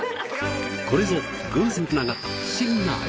これぞ偶然繋がった不思議な縁。